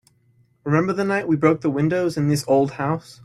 Remember the night we broke the windows in this old house?